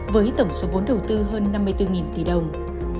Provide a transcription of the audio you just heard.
với tổng số vốn đầu tư hơn năm mươi bốn tỷ đồng